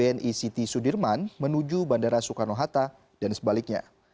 bni city sudirman menuju bandara soekarno hatta dan sebaliknya